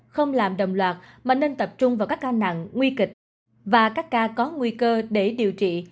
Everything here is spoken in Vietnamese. không làm đồng loạt mà nên tập trung vào các ca nặng nguy kịch và các ca có nguy cơ để điều trị